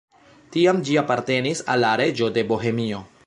Tiam ĝi apartenis al la reĝo de Bohemio.